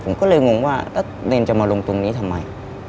ผมก็เลยงงว่าแล้วเนรจะมาลงตรงนี้ทำไม